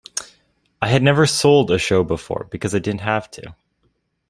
I had never sold a show before because I didn't have to.